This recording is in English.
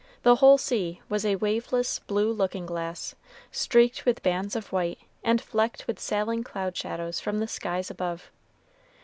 The whole sea was a waveless, blue looking glass, streaked with bands of white, and flecked with sailing cloud shadows from the skies above.